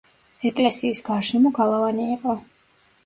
ეკლესიის გარშემო გალავანი იყო.